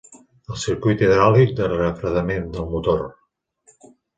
El circuit hidràulic de refredament del motor.